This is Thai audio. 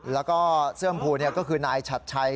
แล้วก็เสื้อมพูก็คือนายชัดชัย